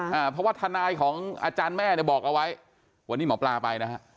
เพราะว่าทนายของอาจารย์แม่เนี่ยบอกเอาไว้วันนี้หมอปลาไปนะฮะ